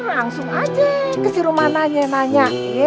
langsung aja ke si rumah nanya nanya